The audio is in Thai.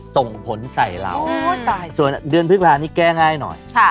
ส่งผลใส่เราส่วนเดือนพฤษภานี้แก้ง่ายหน่อย